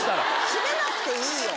閉めなくていいよ。